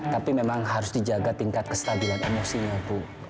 tapi memang harus dijaga tingkat kestabilan emosinya bu